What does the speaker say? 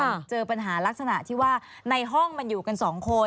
เจอปัญหาลักษณะที่ว่าในห้องมันอยู่กันสองคน